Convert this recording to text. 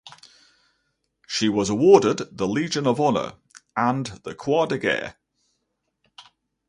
She was awarded the Legion of Honour and the "Croix de Guerre".